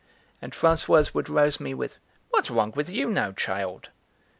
And Françoise would rouse me with: "What's wrong with you now, child?"